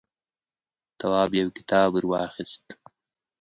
تواب يو کتاب ور واخيست.